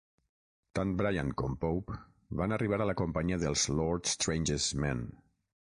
Tant Bryan com Pope van arribar a la companyia dels Lord Strange's Men.